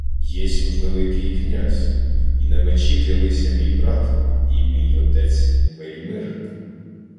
— Єсмь Великий князь, і на мечі клялися мій брат і мій отець Велімир!